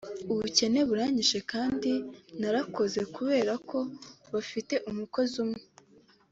ubukene buranyishe kandi narakoze kubera ko bafite umukozi umwe